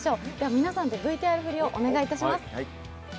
皆さんでＶＴＲ振りをお願いします。